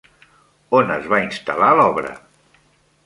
On es va instal·lar l'obra?